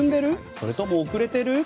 それとも遅れてる？